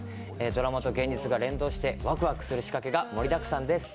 ドラマと現実が連動してわくわくする仕掛けが盛りだくさんです。